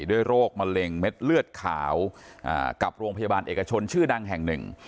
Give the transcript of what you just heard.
โรคมะเร็งเม็ดเลือดขาวกับโรงพยาบาลเอกชนชื่อดังแห่งหนึ่ง